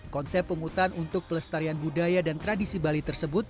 konsep penghutan untuk pelestarian budaya dan tradisi bali tersebut